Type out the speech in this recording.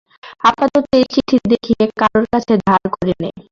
আপাতত এই চিঠি দেখিয়ে কারুর কাছে ধার করে নে।